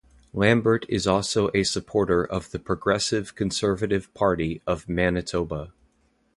Lambert is also a supporter of the Progressive Conservative Party of Manitoba.